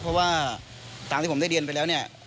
เพราะว่าตามที่ผมได้เรียนไปแล้วเนี่ย